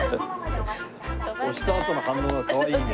押したあとの反応がかわいいね。